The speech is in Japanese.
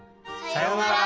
さようなら。